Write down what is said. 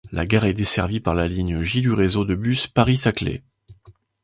La gare est desservie par la ligne J du réseau de bus Paris-Saclay.